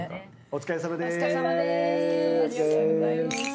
お疲れさまでーす。